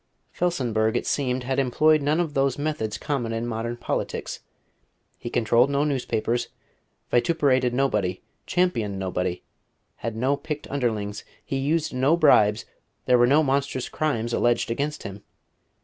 Felsenburgh, it seemed, had employed none of those methods common in modern politics. He controlled no newspapers, vituperated nobody, championed nobody: he had no picked underlings; he used no bribes; there were no monstrous crimes alleged against him.